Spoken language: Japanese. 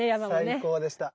最高でした。